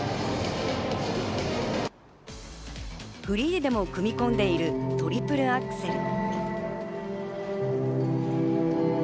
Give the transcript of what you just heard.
フリーでも組み込んでいるトリプルアクセル。